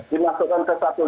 dimasukkan ke satu